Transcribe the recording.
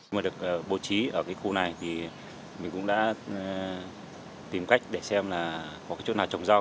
mà được bố trí ở cái khu này thì mình cũng đã tìm cách để xem là có cái chỗ nào trồng rau